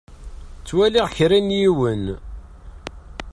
Ttwaliɣ kra n yiwen.